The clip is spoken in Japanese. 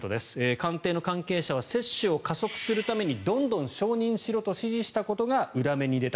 官邸の関係者は接種を加速するためにどんどん承認しろと指示したことが裏目に出た。